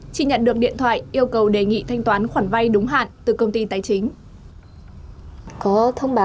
chị nhận được điện thoại yêu cầu đề nghị thanh toán khoản vay đúng hạn từ công ty tài chính